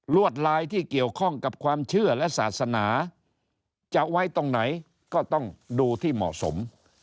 วดลายที่เกี่ยวข้องกับความเชื่อและศาสนาจะไว้ตรงไหนก็ต้องดูที่เหมาะสม